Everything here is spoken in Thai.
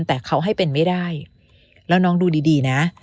แต่เขาให้เป็นไม่ได้แล้วน้องดูดีนะ